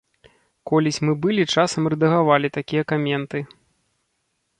Колісь мы былі часам рэдагавалі такія каменты.